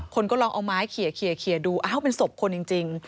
คนก็ลองเอาไม้เขียดูอ้าวเป็นศพคนจริง